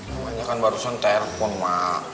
namanya kan barusan telepon mah